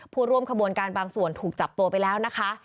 ผู้ร่วมขบวนการบางส่วนถูกจับตัวไปแล้วนะคะ